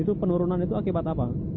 itu penurunan itu akibat apa